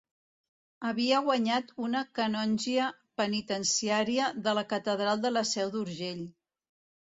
Havia guanyat una canongia penitenciària de la catedral de la Seu d'Urgell.